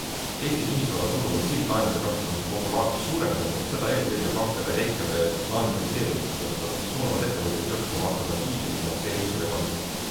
Eesti kinnisvaraturul on sildlaenude kasutamise populaarsus suurenenud ning seda eelkõige pankade jäikade laenukriteeriumite tõttu, mis suunavad ettevõtjad kasutama alternatiivseid finantseerimisvõimalusi.